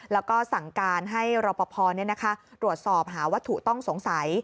แล้วก็สั่งการให้รอปภตรวจสอบหาวัตถุต้องสงสัย